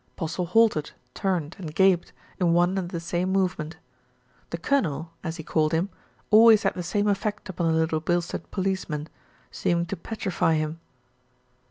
Postle halted, turned, and gaped in one and the same movement. The "cunnel," as he called him, always had the same effect upon the Little Bilstead policeman, seeming to petrify him.